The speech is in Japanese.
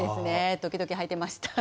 時々履いてました。